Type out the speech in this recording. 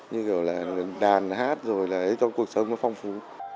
như kiểu là đàn hát rồi là ấy cho cuộc sống nó phong phú